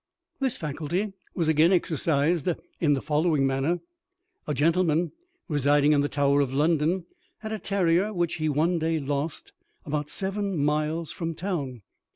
This faculty was again exercised in the following manner: A gentleman residing in the Tower of London had a terrier which he one day lost, about seven miles from town.